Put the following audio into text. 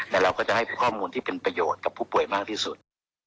แล้วเราก็จะให้ข้อมูลที่เป็นประโยชน์กับผู้ป่วยมากที่สุด